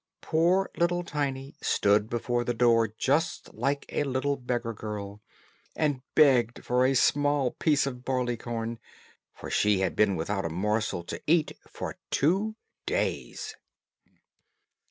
Poor little Tiny stood before the door just like a little beggar girl, and begged for a small piece of barley corn, for she had been without a morsel to eat for two days.